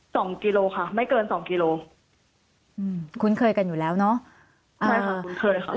กิโลค่ะไม่เกินสองกิโลอืมคุ้นเคยกันอยู่แล้วเนอะไม่ค่ะคุ้นเคยค่ะ